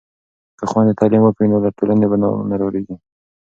که خویندې تعلیم وکړي نو له ټولنې به نه ډاریږي.